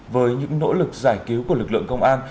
với những nỗ lực giải cứu của lực lượng công an